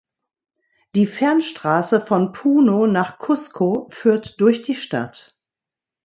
Die Fernstraße von Puno nach Cusco führt durch die Stadt.